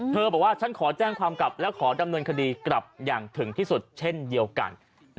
บอกว่าฉันขอแจ้งความกลับและขอดำเนินคดีกลับอย่างถึงที่สุดเช่นเดียวกัน